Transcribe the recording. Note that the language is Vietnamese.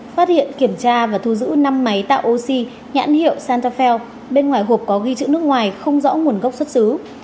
phát hiện kiểm tra và thu giữ năm máy tạo oxy nhãn hiệu santafel bên ngoài hộp có ghi chữ nước ngoài không rõ nguồn gốc xuất xứ